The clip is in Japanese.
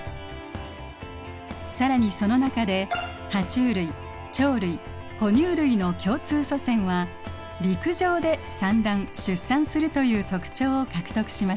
更にその中でハチュウ類鳥類哺乳類の共通祖先は陸上で産卵・出産するという特徴を獲得しました。